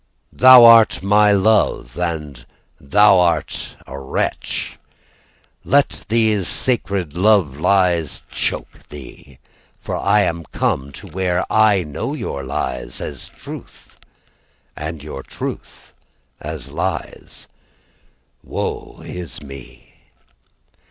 Thou art my love, And thou art a wretch. Let these sacred love lies choke thee, From I am come to where I know your lies as truth And you truth as lies Woe is me.